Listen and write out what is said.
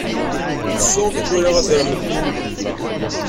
Tsuɣ mi twala azrem-nni.